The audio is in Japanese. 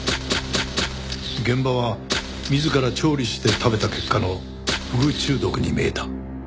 現場は自ら調理して食べた結果のフグ中毒に見えた。